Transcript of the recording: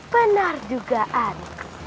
benar juga an